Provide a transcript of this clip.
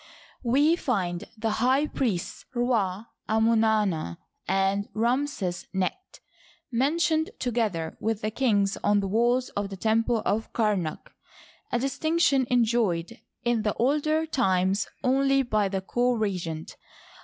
We find the high priests Rot, Amonarnd, and Ramsesnecht mentioned together with the kings on the walls of the temple of Kamak — a dis tinction enjoyed in the older times only by the co regent.